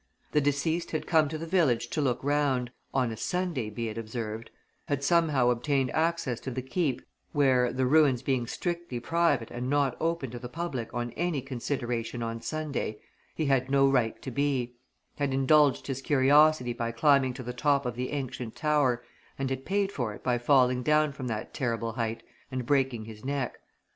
The deceased had come to the village to look round on a Sunday be it observed had somehow obtained access to the Keep, where, the ruins being strictly private and not open to the public on any consideration on Sunday, he had no right to be; had indulged his curiosity by climbing to the top of the ancient tower and had paid for it by falling down from that terrible height and breaking his neck.